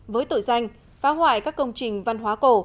với tội danh phá hoại các công trình văn hóa cổ